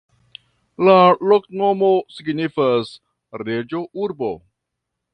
La loknomo signifas: reĝo-urbo.